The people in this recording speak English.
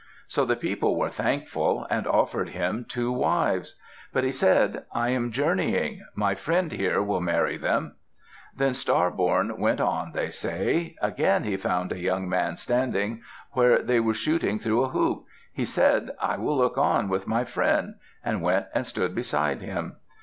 So the people were thankful and offered him two wives. But he said, "I am journeying. My friend here will marry them." Then Star born went on, they say. Again he found a young man standing where they were shooting through a hoop. He said, "I will look on with my friend," and went and stood beside him.